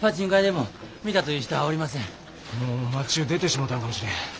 もう町ゅう出てしもうたんかもしれん。